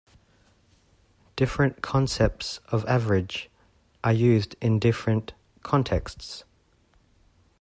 Different concepts of average are used in different contexts.